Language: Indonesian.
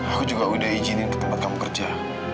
aku juga udah izinin ke tempat kamu kerja